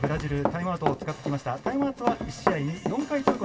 タイムアウトを使ってきました。